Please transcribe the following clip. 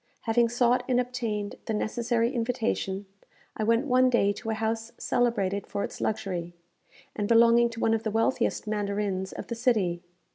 Having sought and obtained the necessary invitation, I went one day to a house celebrated for its luxury, and belonging to one of the wealthiest mandarins of the city.